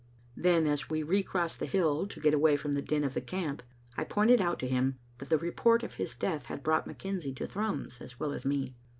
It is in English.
Then, as we recrossed the hill, to get away from the din of the camp, I pointed out to him that the report of his death had brought McKenzie to Thrums, as well as me.